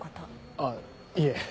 あぁいえ。